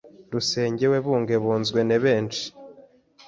rusenge webungebunzwe ne benshi.